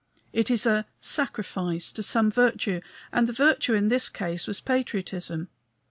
It is a "sacrifice" to some virtue; and the virtue in this case was patriotism.